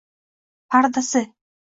Pardasi!